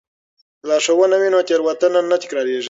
که لارښوونه وي نو تېروتنه نه تکراریږي.